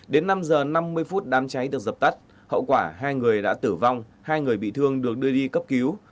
đến năm h năm mươi phút đám cháy được dập tắt hậu quả hai người đã tử vong hai người bị thương được đưa đi cấp cứu